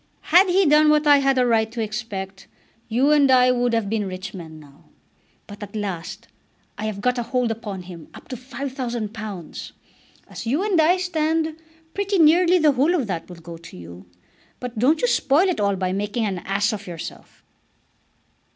Had he done what I had a right to expect, you and I would have been rich men now. But at last I have got a hold upon him up to £5000. As you and I stand, pretty nearly the whole of that will go to you. But don't you spoil it all by making an ass of yourself."